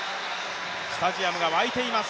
スタジアムが沸いています。